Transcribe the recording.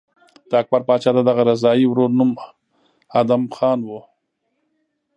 د اکبر پاچا د دغه رضاعي ورور نوم ادهم خان و.